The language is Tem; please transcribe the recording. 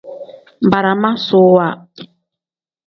Baramaasuwa.